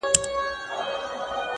زېږوې که د دې خلکو په څېر بل خر -